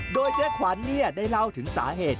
โดยเจ๊ขวัญได้เล่าถึงสาเหตุ